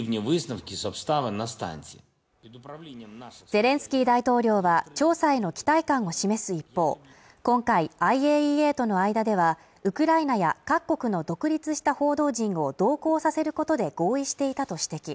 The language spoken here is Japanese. ゼレンスキー大統領は調査への期待感を示す一方今回ＩＡＥＡとの間ではウクライナや各国の独立した報道陣を同行させることで合意していたと指摘